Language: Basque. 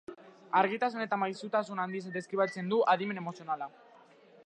Argitasun eta maisutasun handiz deskribatzen du adimen emozionala.